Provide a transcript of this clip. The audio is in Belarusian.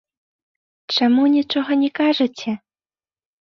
Чаму нічога не кажаце?